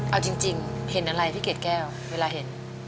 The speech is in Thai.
เอาจริงเห็นอะไรพี่เกดแก้วเวลาเห็น